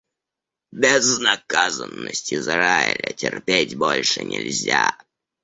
Безнаказанность Израиля терпеть больше нельзя.